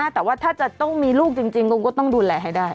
แต่ว่าถ้าจะต้องมีลูกจริงก็ต้องดูแลให้ได้